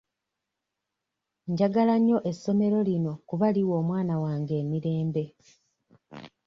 Njagala nnyo essomero lino kuba liwa omwana wange emirembe.